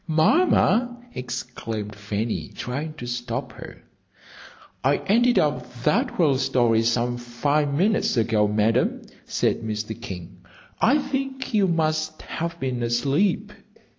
"Mamma!" exclaimed Fanny, trying to stop her. "I ended up that whale some five minutes ago, Madam," said Mr. King. "I think you must have been asleep."